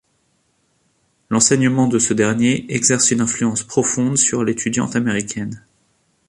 L’enseignement de ce dernier exerce une influence profonde sur l’étudiante américaine.